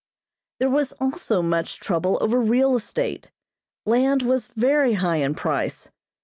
There was also much trouble over real estate. Land was very high in price.